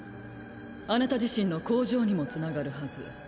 あなた自身の向上にもつながるハズ。